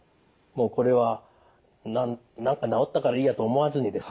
もうこれは何か治ったからいいやと思わずにですね